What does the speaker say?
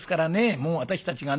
もう私たちがね